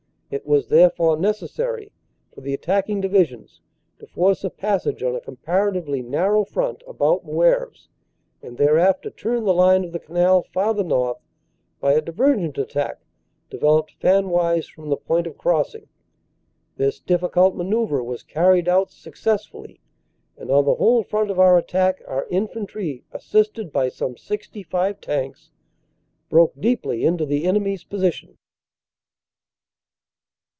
It was therefore necessary for the attacking divisions to force a passage on a comparatively narrow front about Moeuvres, and thereafter turn the line of the canal farther north by a divergent attack developed f anwise from the point of crossing. This difficult manoeuvre was carried out success fully, and on the whole front of our attack our infantry, assisted by some 65 tanks, broke deeply into the enemy s position."